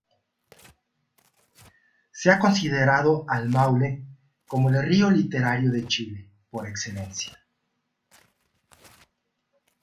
Se ha considerado al Maule como el río literario de Chile, por excelencia.